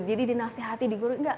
jadi dinasihati di guru nggak